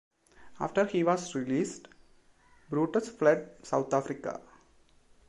After he was released, Brutus fled South Africa.